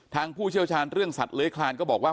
ผู้เชี่ยวชาญเรื่องสัตว์เลื้อยคลานก็บอกว่า